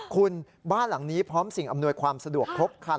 คุณบ้านหลังนี้พร้อมสิ่งอำนวยความสะดวกครบคัน